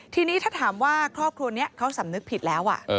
ทีนี้ถ้าถามว่าครอบครัวนี้เขาสำนึกผิดแล้ว